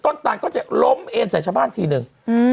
ตังก็จะล้มเอ็นใส่ชาวบ้านทีนึง